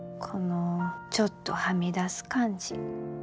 このちょっとはみ出す感じ。